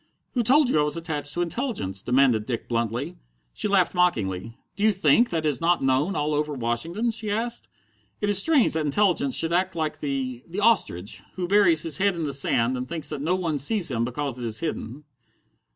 "Who told you I was attached to Intelligence?" demanded Dick bluntly. She laughed mockingly. "Do you think that is not known all over Washington?" she asked. "It is strange that Intelligence should act like the the ostrich, who buries his head in the sand and thinks that no one sees him because it is hidden."